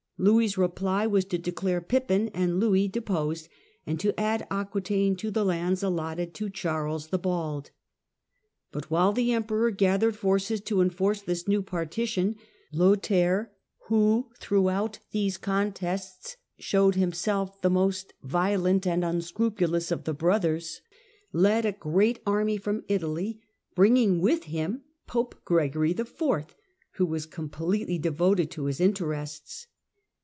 Louis' reply was to declare Pippin and Louis deposed, and to add Aque taine to the lands allotted to Charles the Bald. But while the Emperor gathered forces to enforce this new partition Lothair, who throughout these contests showed himself the most violent and unscrupulous of the brothers, led a great army from Italy, bringing with him Pope Gregory IV., who was completely devoted to his interests.